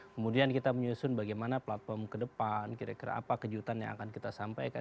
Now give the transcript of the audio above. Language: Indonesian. kemudian kita menyusun bagaimana platform ke depan kira kira apa kejutan yang akan kita sampaikan